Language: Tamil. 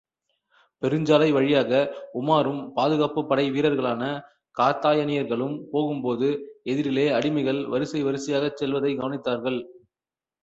பெருஞ்சாலை வழியாக உமாரும் பாதுகாப்புப் படை வீரர்களான காத்தாயனியர்களும் போகும்போது, எதிரிலே அடிமைகள் வரிசை வரிசையாகச் செல்வதைக் கவனித்தார்கள்.